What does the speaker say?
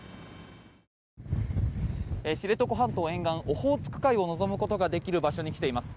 知床半島沿岸オホーツク海を望むことができる場所に来ています。